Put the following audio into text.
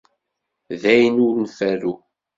D ayen ur nferru.